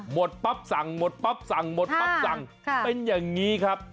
หมดปั๊บสั่งหมดปั๊บสั่งหมดปั๊บสั่งเป็นอย่างนี้ครับ